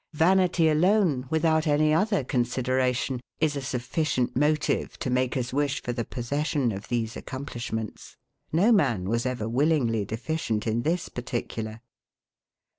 Vanity alone, without any other consideration, is a sufficient motive to make us wish for the possession of these accomplishments. No man was ever willingly deficient in this particular.